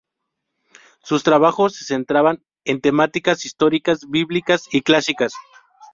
Sus trabajos se centraban en temáticas históricas, bíblicas y clásicas.